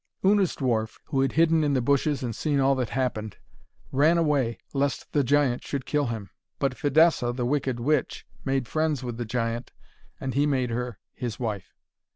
Una's dwarf, who had hidden in the bushes and seen all that happened, ran away, lest the giant should kill him. But Fidessa, the wicked witch, made friends with the giant, and he made her his wife.